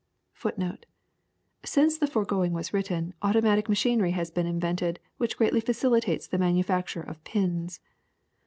^ 1 Since the foregoing was written automatic machinery has been invented which greatly facilitates the manufacture of pins.